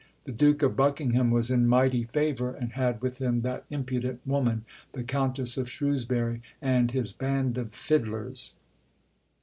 The Duke of Buckingham was in mighty favour, and had with him that impudent woman, the Countess of Shrewsbury, and his band of fiddlers."